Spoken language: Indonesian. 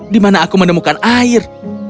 di mana aku menemukan air